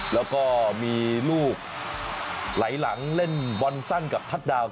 แล้วก็มีลูกไหลหลังเล่นบอลสั้นกับทัศน์ดาว